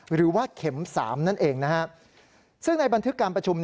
หรือว่าเข็มสามนั่นเองนะฮะซึ่งในบันทึกการประชุม